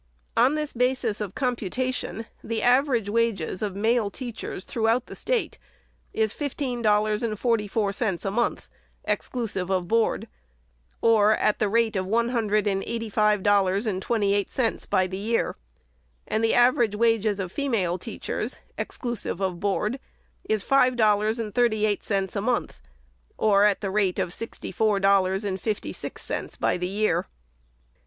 On this basis of computation, the av erage wages of male teachers throughout the State is fif teen dollars and forty four cents a month, exclusive of board, or at the rate of one hundred and eighty five dollars and twenty eight cents by the year; — and the average wages of female teachers, exclusive of board, is five dollars and thirty eight cents a month, or at the rate of sixty four dollars and fifty six cents by the year.